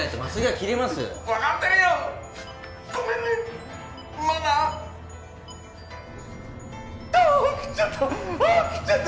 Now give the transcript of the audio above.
切っちゃった！